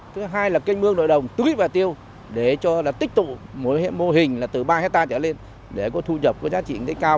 thứ hai là kênh mương nội đồng tưới và tiêu để cho là tích tụ mỗi mô hình là từ ba hectare trở lên để có thu nhập có giá trị kinh tế cao